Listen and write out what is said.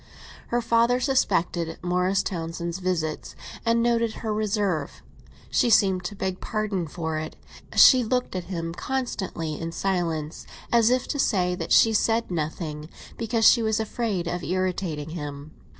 Her father suspected Morris Townsend's visits, and noted her reserve. She seemed to beg pardon for it; she looked at him constantly in silence, as if she meant to say that she said nothing because she was afraid of irritating him.